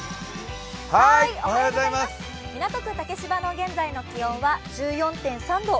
港区竹芝の現在の気温は１４．３度。